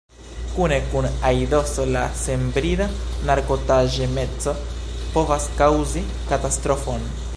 Kune kun aidoso la senbrida narkotaĵemeco povas kaŭzi katastrofon.